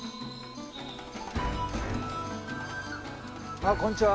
あっこんにちは。